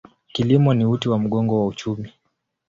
Kilimo ni uti wa mgongo wa uchumi.